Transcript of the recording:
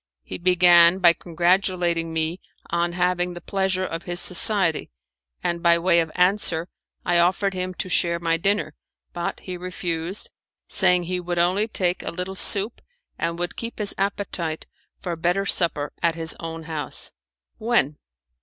He began by congratulating me on having the pleasure of his society; and by way of answer I offered him to share my dinner, but he refused, saying he would only take a little soup, and would keep his appetite for a better supper at his own house. "When?"